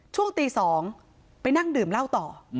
ช่วงตี๒ไปนั่งดื่มเหล้าต่อ